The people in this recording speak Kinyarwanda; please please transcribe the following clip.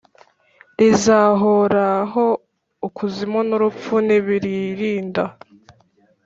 rizahorahoukuzimu n’urupfu, ntibiririnda